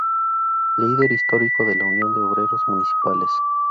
Líder histórico de la Unión de Obreros Municipales.